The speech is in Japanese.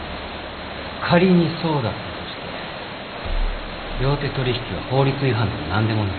仮にそうだったとして両手取引は法律違反でもなんでもない。